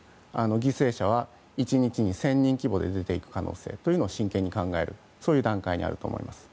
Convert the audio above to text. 犠牲者は１日に１０００人規模で出てくる可能性を真剣に考える段階にあると思います。